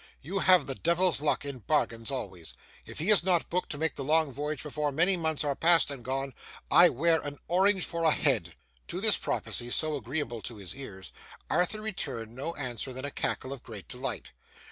You have the devil's luck in bargains, always. If he is not booked to make the long voyage before many months are past and gone, I wear an orange for a head!' To this prophecy, so agreeable to his ears, Arthur returned no answer than a cackle of great delight.